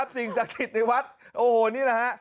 สิ่งศักดิ์สิทธิ์ในวัดโอ้โหนี่แหละฮะ